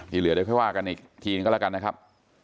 ทีเหลือได้ไปว่ากันอีกทีก็แล้วกันนะครับ